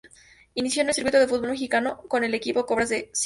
Inicio en el circuito del Fútbol Mexicano con el equipo Cobras de Cd.